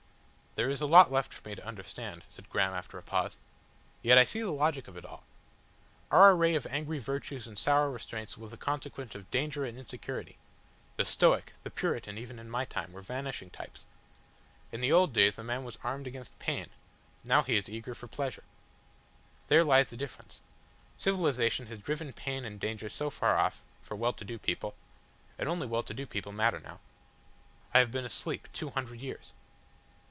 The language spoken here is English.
"There is a lot left for me to understand," said Graham after a pause. "Yet I see the logic of it all. Our array of angry virtues and sour restraints was the consequence of danger and insecurity. The Stoic, the Puritan, even in my time, were vanishing types. In the old days man was armed against Pain, now he is eager for Pleasure. There lies the difference. Civilisation has driven pain and danger so far off for well to do people. And only well to do people matter now. I have been asleep two hundred years."